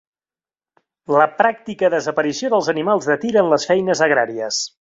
La pràctica desaparició dels animals de tir en les feines agràries.